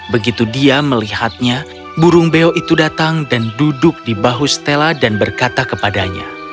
begitu dia melihatnya burung beo itu datang dan duduk di bahu stella dan berkata kepadanya